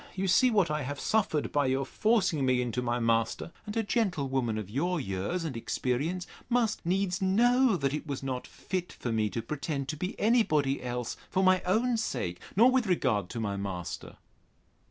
You see what I have suffered by your forcing me in to my master: and a gentlewoman of your years and experience must needs know, that it was not fit for me to pretend to be any body else for my own sake, nor with regard to my master.